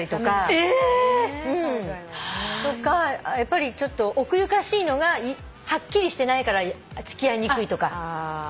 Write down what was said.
え！？とかやっぱりちょっと奥ゆかしいのがはっきりしてないから付き合いにくいとか。